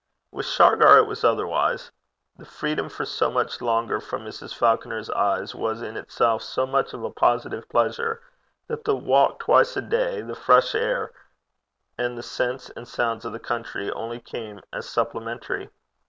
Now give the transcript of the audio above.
With Shargar it was otherwise. The freedom for so much longer from Mrs. Falconer's eyes was in itself so much of a positive pleasure, that the walk twice a day, the fresh air, and the scents and sounds of the country, only came in as supplementary.